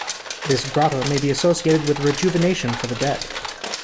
This grotto may be associated with rejuvenation for the dead.